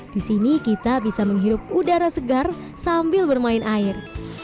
di sini kita bisa menghirup udara segar sambil bermain air